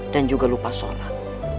dan juga lupa sholat